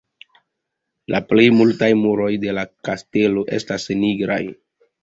La plej multaj muroj de la kastelo estas nigraj.